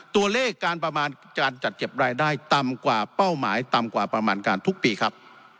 ตัวเลขการประมาณการจัดเก็บรายได้ต่ำกว่าเป้าหมายต่ำกว่าประมาณการทุกปีครับ